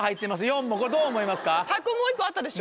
４もこれどう思いますか？